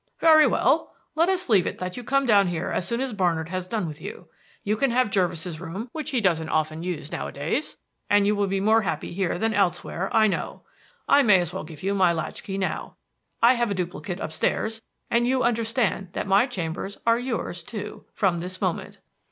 "Very well. Let us leave it that you come here as soon as Barnard has done with you. You can have Jervis's room, which he doesn't often use nowadays, and you will be more happy here than elsewhere, I know. I may as well give you my latch key now. I have a duplicate upstairs, and you understand that my chambers are yours too from this moment."